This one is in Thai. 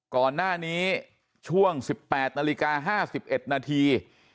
ก่อนหน้านี้ช่วง๑๘นาฬิกา๕๑นาที